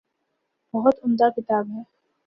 بہت عمدہ کتاب ہے۔